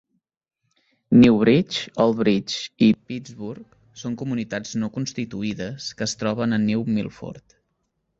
New Bridge, Old Bridge i Peetzburgh són comunitats no constituïdes que es troben a New Milford.